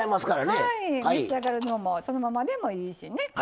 はい召し上がるのももうそのままでもいいしね。